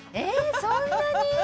そんなに？